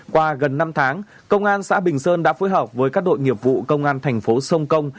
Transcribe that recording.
qua gần năm tháng công an xã bình sơn đã phối hợp với các đội nghiệp vụ công an thành phố sông công